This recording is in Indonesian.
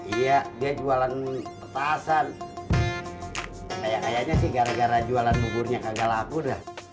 iya dia jualan petasan kayak kayaknya sih gara gara jualan buburnya kagak laku dah